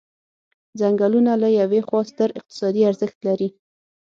څنګلونه له یوې خوا ستر اقتصادي ارزښت لري.